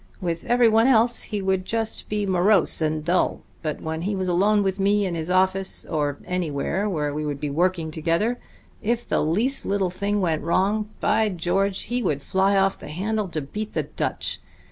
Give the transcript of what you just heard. With everyone else he would be just morose and dull; but when he was alone with me in his office, or anywhere where we would be working together, if the least little thing went wrong, by George! he would fly off the handle to beat the Dutch.